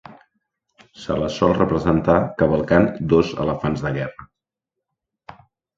Se les sol representar cavalcant dos elefants de guerra.